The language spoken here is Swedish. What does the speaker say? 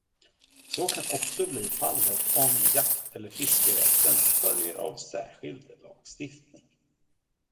Så kan också bli fallet om jakt- eller fiskerätten följer av särskild lagstiftning.